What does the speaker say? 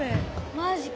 マジか。